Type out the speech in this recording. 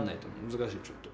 難しいちょっと。